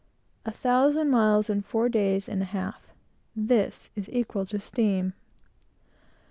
A thousand miles in four days and a half! This is equal to steam.